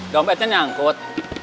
jom aja nyangkut